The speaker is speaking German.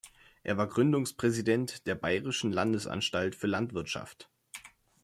Er war Gründungspräsident der Bayerischen Landesanstalt für Landwirtschaft.